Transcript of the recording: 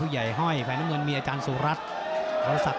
หรือว่าผู้สุดท้ายมีสิงคลอยวิทยาหมูสะพานใหม่